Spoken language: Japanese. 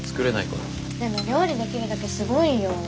でも料理できるだけすごいよ。